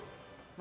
何？